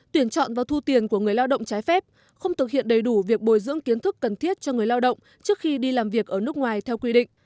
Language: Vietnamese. tuyển chọn và thu tiền của người lao động trái phép không thực hiện đầy đủ việc bồi dưỡng kiến thức cần thiết cho người lao động trước khi đi làm việc ở nước ngoài theo quy định